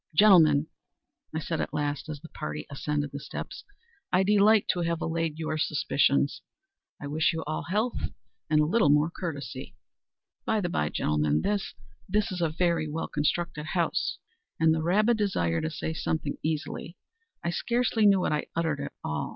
"Gentlemen," I said at last, as the party ascended the steps, "I delight to have allayed your suspicions. I wish you all health, and a little more courtesy. By the bye, gentlemen, this—this is a very well constructed house." (In the rabid desire to say something easily, I scarcely knew what I uttered at all.)